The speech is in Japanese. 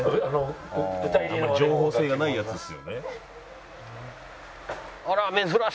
「情報性がないやつですよね」